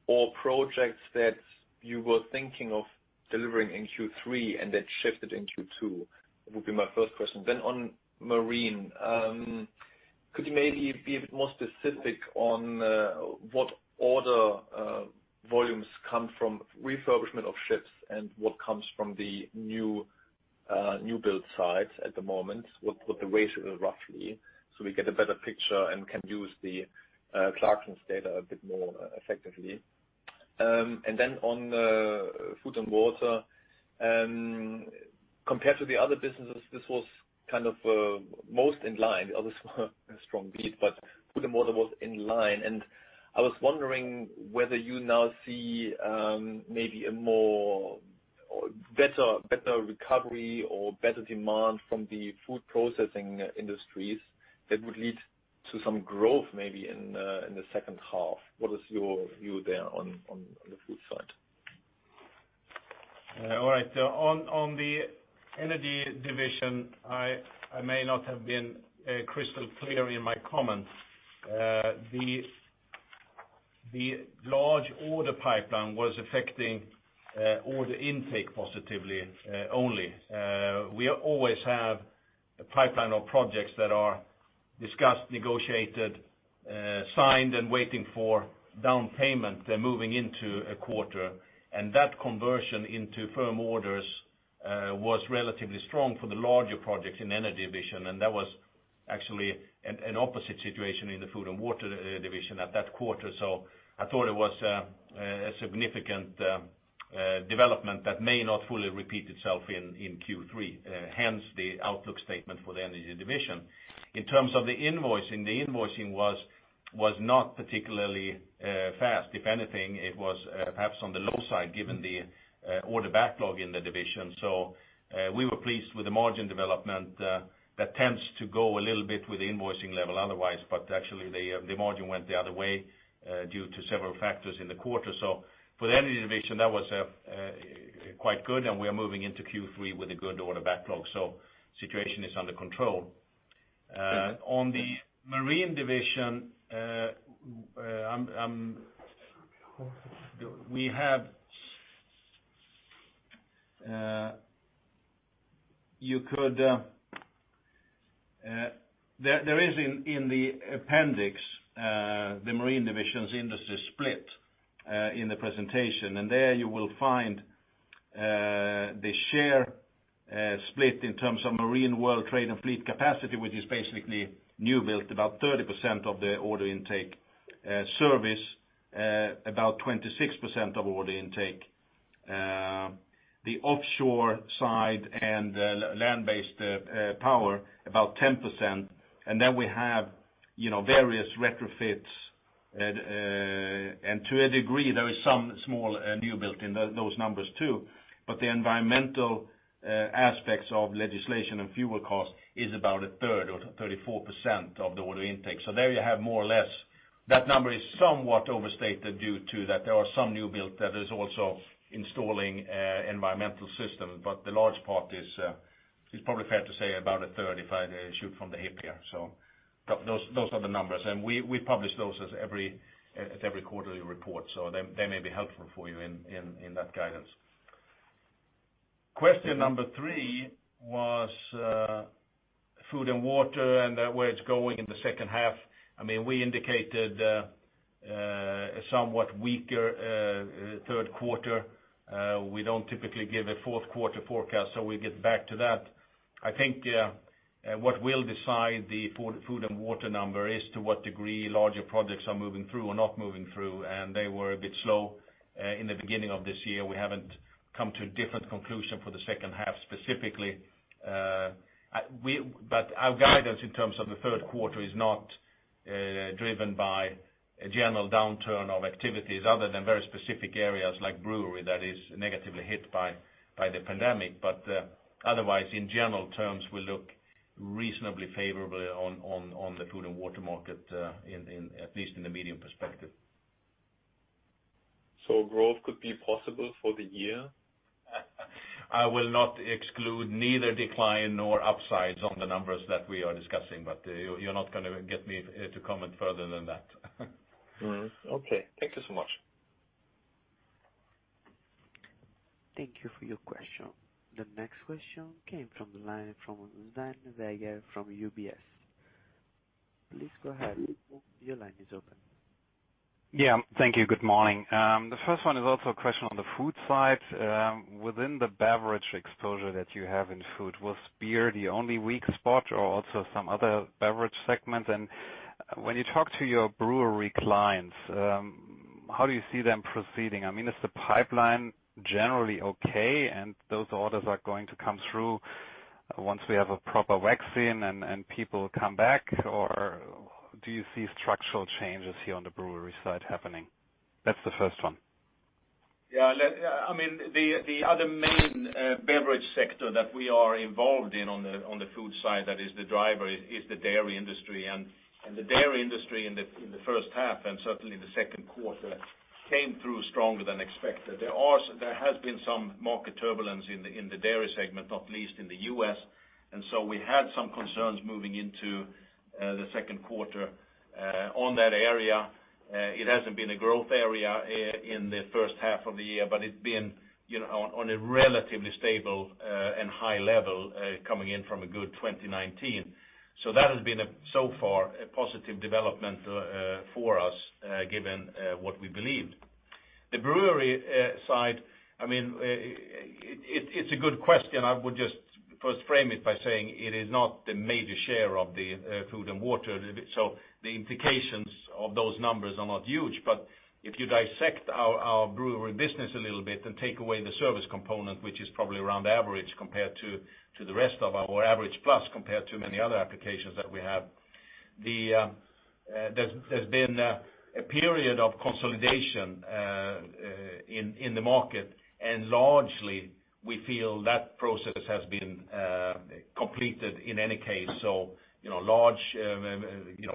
or projects that you were thinking of delivering in Q3 and then shifted in Q2. That would be my first question. On Marine Division, could you maybe be a bit more specific on what order volumes come from refurbishment of ships and what comes from the new build sites at the moment? What the ratio is, roughly, so we get a better picture and can use the Clarksons data a bit more effectively. On Food & Water Division, compared to the other businesses, this was most in line. Others were a strong beat, Food & Water Division was in line. I was wondering whether you now see maybe a more or better recovery or better demand from the food processing industries that would lead to some growth maybe in the second half. What is your view there on the food side? All right. On the Energy Division, I may not have been crystal clear in my comments. The large order pipeline was affecting order intake positively only. We always have a pipeline of projects that are discussed, negotiated, signed, and waiting for down payment. They're moving into a quarter, and that conversion into firm orders was relatively strong for the larger projects in Energy Division, and that was actually an opposite situation in the Food & Water Division at that quarter. I thought it was a significant development that may not fully repeat itself in Q3, hence the outlook statement for the Energy Division. In terms of the invoicing, the invoicing was not particularly fast. If anything, it was perhaps on the low side, given the order backlog in the division. We were pleased with the margin development. That tends to go a little bit with the invoicing level otherwise, but actually the margin went the other way due to several factors in the quarter. For the Energy Division, that was quite good, and we are moving into Q3 with a good order backlog. The situation is under control. On the Marine Division, there is in the appendix, the Marine Division's industry split in the presentation. There you will find the share split in terms of marine world trade and fleet capacity, which is basically new build, about 30% of the order intake service, about 26% of order intake, the offshore side and land-based power, about 10%. We have various retrofits, and to a degree, there is some small new build in those numbers too. The environmental aspects of legislation and fuel cost is about a third or 34% of the order intake. There you have more or less. That number is somewhat overstated due to that there are some new build that is also installing environmental system, but the large part is probably fair to say about a third, if I shoot from the hip here. Those are the numbers, and we publish those as every quarterly report, so they may be helpful for you in that guidance. Question number three was Food & Water and where it's going in the second half. We indicated a somewhat weaker third quarter. We don't typically give a fourth quarter forecast, so we get back to that. I think what will decide the Food & Water number is to what degree larger projects are moving through or not moving through, and they were a bit slow in the beginning of this year. We haven't come to a different conclusion for the second half, specifically. Our guidance in terms of the third quarter is not driven by a general downturn of activities other than very specific areas like brewery that is negatively hit by the pandemic. Otherwise, in general terms, we look reasonably favorably on the Food & Water market, at least in the medium perspective. Growth could be possible for the year? I will not exclude neither decline nor upsides on the numbers that we are discussing. You're not going to get me to comment further than that. Okay. Thank you so much. Thank you for your question. The next question came from the line from Zane Vega from UBS. Please go ahead. Your line is open. Yeah. Thank you. Good morning. The first one is also a question on the food side. Within the beverage exposure that you have in food, was beer the only weak spot or also some other beverage segments? When you talk to your brewery clients, how do you see them proceeding? Is the pipeline generally okay, and those orders are going to come through once we have a proper vaccine and people come back? Do you see structural changes here on the brewery side happening? That's the first one. Yeah. The other main beverage sector that we are involved in on the food side that is the driver is the dairy industry. The dairy industry in the first half and certainly the second quarter, came through stronger than expected. There has been some market turbulence in the dairy segment, not least in the U.S. We had some concerns moving into the second quarter on that area. It hasn't been a growth area in the first half of the year, but it's been on a relatively stable and high level coming in from a good 2019. That has been, so far, a positive development for us, given what we believed. The brewery side, it's a good question. I would just first frame it by saying it is not the major share of the Food & Water. The implications of those numbers are not huge. If you dissect our brewery business a little bit and take away the service component, which is probably around average compared to the rest of our average plus, compared to many other applications that we have. There's been a period of consolidation in the market, and largely, we feel that process has been completed in any case. Large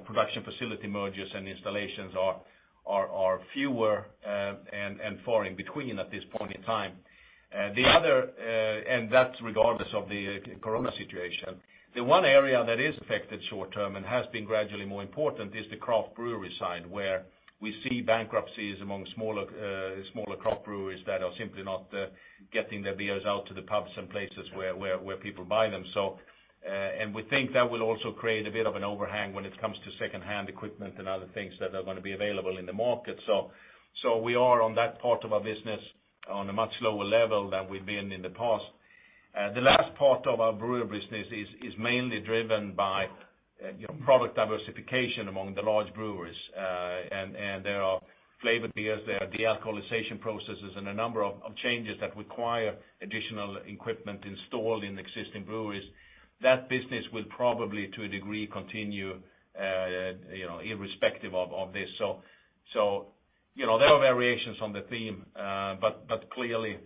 production facility mergers and installations are fewer and far in between at this point in time. That's regardless of the corona situation. The one area that is affected short-term and has been gradually more important is the craft brewery side, where we see bankruptcies among smaller craft breweries that are simply not getting their beers out to the pubs and places where people buy them. We think that will also create a bit of an overhang when it comes to second-hand equipment and other things that are going to be available in the market. We are, on that part of our business, on a much lower level than we've been in the past. The last part of our brewery business is mainly driven by product diversification among the large breweries. There are flavored beers, there are de-alcoholization processes and a number of changes that require additional equipment installed in existing breweries. That business will probably, to a degree, continue irrespective of this. There are variations on the theme, but clearly,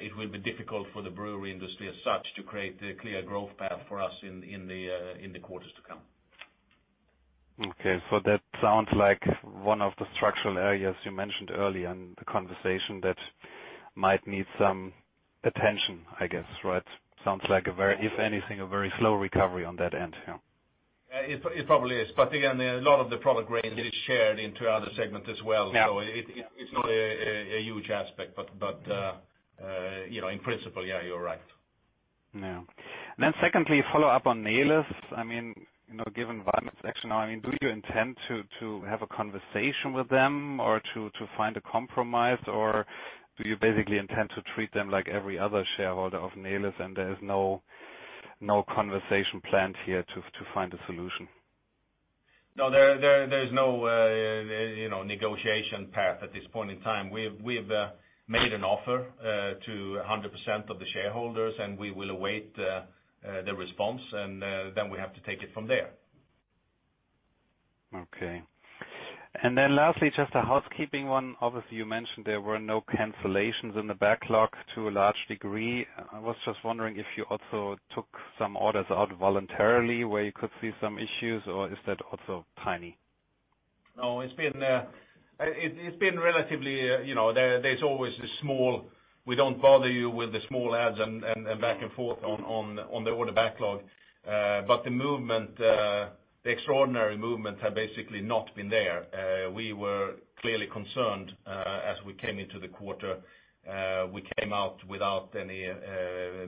it will be difficult for the brewery industry as such to create a clear growth path for us in the quarters to come. Okay. That sounds like one of the structural areas you mentioned earlier in the conversation that might need some attention, I guess, right? Sounds like, if anything, a very slow recovery on that end, yeah. It probably is. Again, a lot of the product range is shared into other segments as well. Yeah. It's not a huge aspect. In principle, yeah, you're right. Secondly, follow up on Neles. Given Valmet's action now, do you intend to have a conversation with them or to find a compromise? Do you basically intend to treat them like every other shareholder of Neles, and there is no conversation planned here to find a solution? No, there is no negotiation path at this point in time. We've made an offer to 100% of the shareholders, and we will await their response, and then we have to take it from there. Okay. Then lastly, just a housekeeping one. Obviously, you mentioned there were no cancellations in the backlog to a large degree. I was just wondering if you also took some orders out voluntarily where you could see some issues, or is that also tiny? No. There's always the small, we don't bother you with the small adds and back and forth on the order backlog. The extraordinary movements have basically not been there. We were clearly concerned as we came into the quarter. We came out without any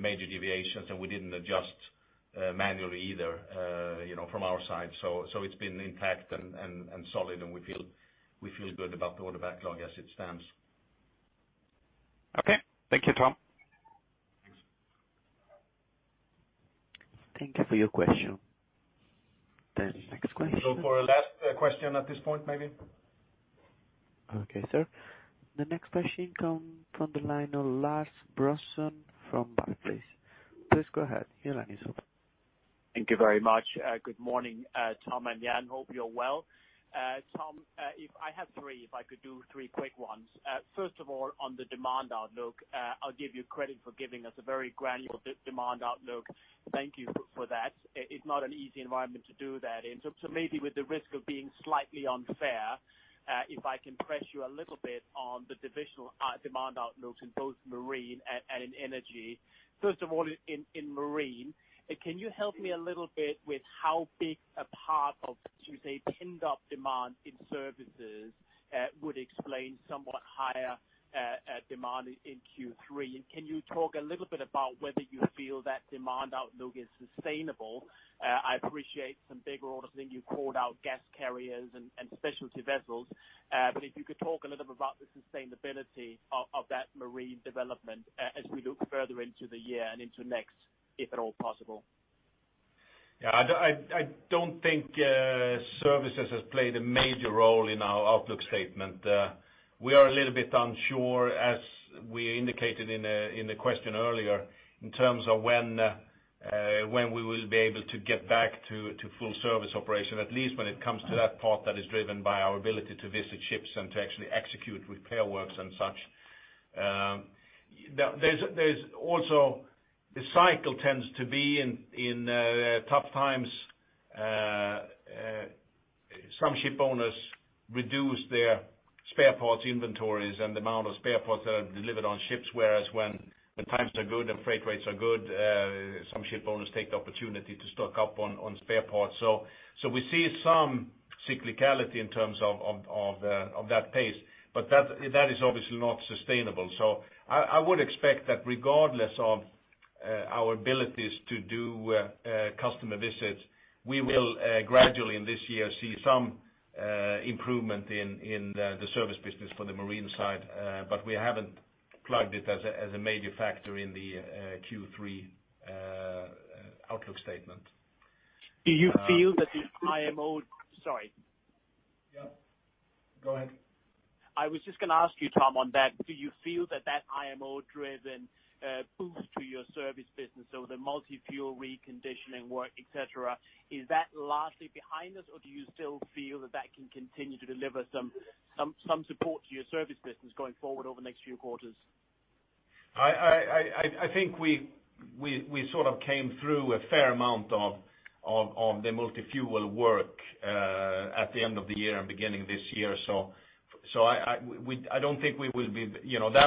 major deviations, and we didn't adjust manually either from our side. It's been intact and solid, and we feel good about the order backlog as it stands. Okay. Thank you, Tom. Thanks. Thank you for your question. The next question? For our last question at this point, maybe. Okay, sir. The next question come from the line of Lars Brorsson from Barclays. Please go ahead. Your line is open. Thank you very much. Good morning, Tom and Jan. Hope you're well. Tom, I have three, if I could do three quick ones. First of all, on the demand outlook, I'll give you credit for giving us a very granular demand outlook. Thank you for that. It's not an easy environment to do that in. Maybe with the risk of being slightly unfair, if I can press you a little bit on the divisional demand outlook in both Marine and in Energy. First of all, in Marine, can you help me a little bit with how big a part of, should we say, pinned up demand in services would explain somewhat higher demand in Q3? Can you talk a little bit about whether you feel that demand outlook is sustainable? I appreciate some big orders that you called out, gas carriers and specialty vessels. If you could talk a little bit about the sustainability of that Marine development as we look further into the year and into next, if at all possible. I don't think services has played a major role in our outlook statement. We are a little bit unsure, as we indicated in the question earlier, in terms of when we will be able to get back to full service operation, at least when it comes to that part that is driven by our ability to visit ships and to actually execute repair works and such. There's also the cycle tends to be in tough times, some ship owners reduce their spare parts inventories and the amount of spare parts that are delivered on ships, whereas when the times are good and freight rates are good, some ship owners take the opportunity to stock up on spare parts. We see some cyclicality in terms of that pace, but that is obviously not sustainable. I would expect that regardless of our abilities to do customer visits, we will gradually, in this year, see some improvement in the service business for the marine side. We haven't plugged it as a major factor in the Q3 outlook statement. Sorry. Yeah. Go ahead. I was just going to ask you, Tom, on that. Do you feel that that IMO-driven boost to your service business or the multi-fuel reconditioning work, et cetera, is that largely behind us or do you still feel that that can continue to deliver some support to your service business going forward over the next few quarters? I think we sort of came through a fair amount of the multi-fuel work at the end of the year and beginning this year. That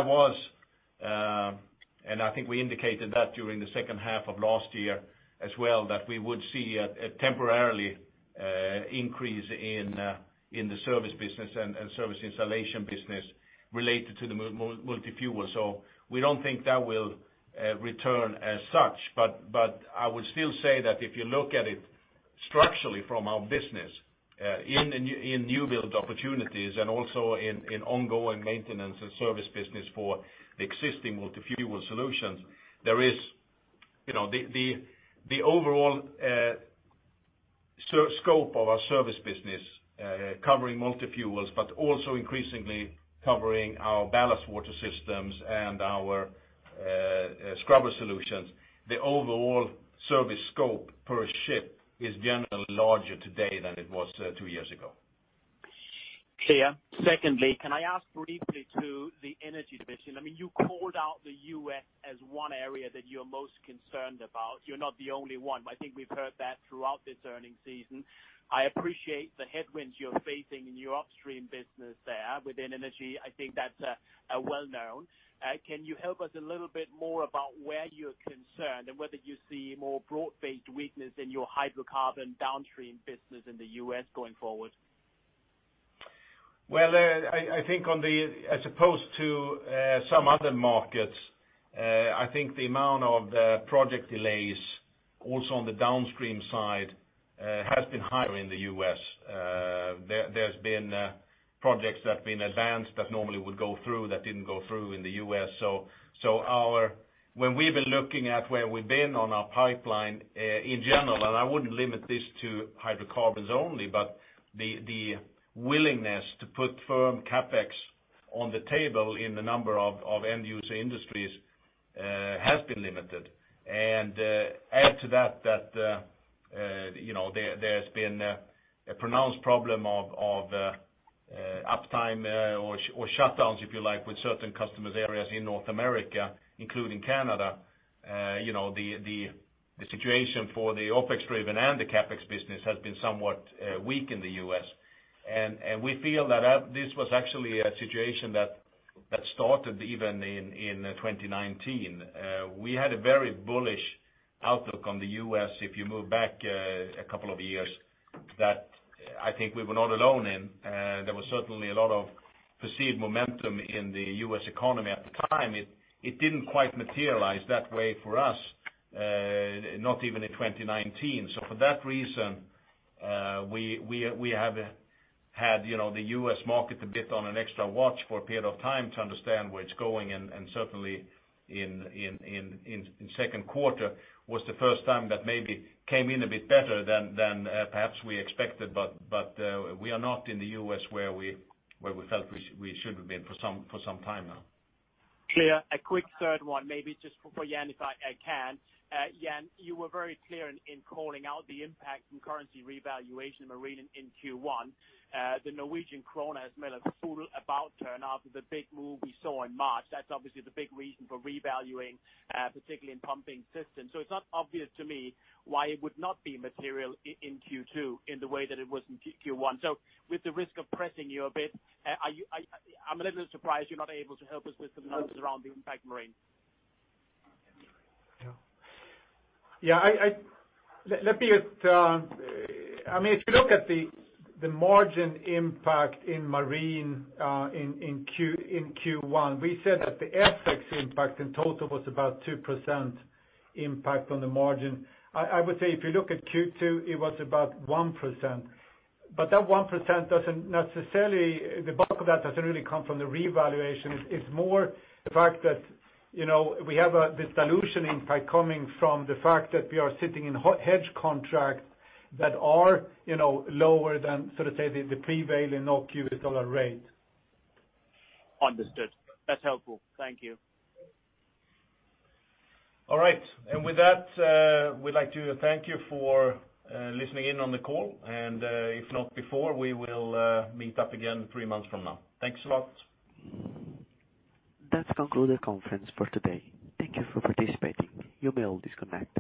was, and I think we indicated that during the second half of last year as well, that we would see a temporary increase in the service business and service installation business related to the multi-fuel. We don't think that will return as such, but I would still say that if you look at it structurally from our business, in new build opportunities and also in ongoing maintenance and service business for the existing multi-fuel solutions, the overall scope of our service business, covering multi-fuels but also increasingly covering our ballast water systems and our scrubber solutions, the overall service scope per ship is generally larger today than it was two years ago. Clear. Secondly, can I ask briefly to the Energy Division? You called out the U.S. as one area that you're most concerned about. You're not the only one. I think we've heard that throughout this earnings season. I appreciate the headwinds you're facing in your upstream business there within energy. I think that's well-known. Can you help us a little bit more about where you're concerned and whether you see more broad-based weakness in your hydrocarbon downstream business in the U.S. going forward? Well, as opposed to some other markets, I think the amount of project delays also on the downstream side, has been higher in the U.S. There's been projects that have been advanced that normally would go through that didn't go through in the U.S. When we've been looking at where we've been on our pipeline, in general, and I wouldn't limit this to hydrocarbons only, but the willingness to put firm CapEx on the table in the number of end user industries has been limited. Add to that, there has been a pronounced problem of uptime or shutdowns, if you like, with certain customers areas in North America, including Canada. The situation for the OpEx driven and the CapEx business has been somewhat weak in the U.S., and we feel that this was actually a situation that started even in 2019. We had a very bullish outlook on the U.S. if you move back a couple of years, that I think we were not alone in. There was certainly a lot of perceived momentum in the U.S. economy at the time. It didn't quite materialize that way for us, not even in 2019. For that reason, we have had the U.S. market a bit on an extra watch for a period of time to understand where it's going, and certainly, in second quarter was the first time that maybe came in a bit better than perhaps we expected. We are not in the U.S. where we felt we should have been for some time now. Clear. A quick third one, maybe just for Jan, if I can. Jan, you were very clear in calling out the impact from currency revaluation in Marine in Q1. The Norwegian kroner has made a full about-turn after the big move we saw in March. That's obviously the big reason for revaluing, particularly in pumping systems. It's not obvious to me why it would not be material in Q2 in the way that it was in Q1. With the risk of pressing you a bit, I'm a little surprised you're not able to help us with some numbers around the impact Marine. If you look at the margin impact in Marine in Q1, we said that the FX impact in total was about 2% impact on the margin. I would say if you look at Q2, it was about 1%. That 1%, the bulk of that doesn't really come from the revaluation. It's more the fact that we have this dilution impact coming from the fact that we are sitting in hedge contracts that are lower than, sort of say, the prevailing NOK US dollar rate. Understood. That's helpful. Thank you. All right. With that, we'd like to thank you for listening in on the call, and if not before, we will meet up again three months from now. Thanks a lot. That concludes the conference for today. Thank you for participating. You may all disconnect.